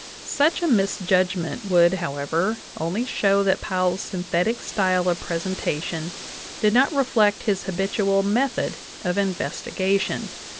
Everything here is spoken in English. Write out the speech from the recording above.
Such a mis judgment would, however, only show that Powell's synthetic style of presentation did not reflect his habitual method of investigation.